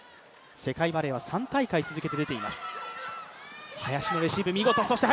世界バレーは３大会連続出ています